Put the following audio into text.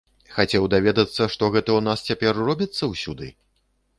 Хацеў даведацца, што гэта ў нас цяпер робіцца ўсюды?